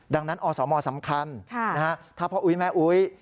ดังนั้นอสมสำคัญถ้าพ่ออุ๊ยแม่อุ๊ย